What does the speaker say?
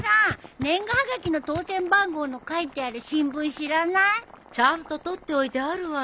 年賀はがきの当選番号の書いてある新聞知らない？ちゃんと取っておいてあるわよ。